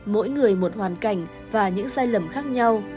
mỗi người một hoàn cảnh và những sai lầm khác nhau